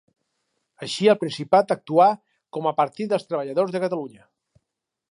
Així al Principat actuà com a Partit dels Treballadors de Catalunya.